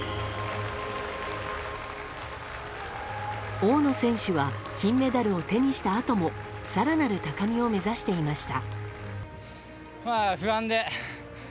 大野選手は金メダルを手にしたあとも更なる高みを目指していました。